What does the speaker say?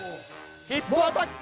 ヒップアタック。